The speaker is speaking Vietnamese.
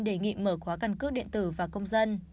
đề nghị mở khóa căn cước điện tử và công dân